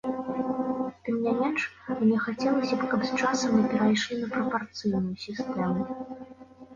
Тым не менш, мне хацелася б, каб з часам мы перайшлі на прапарцыйную сістэму.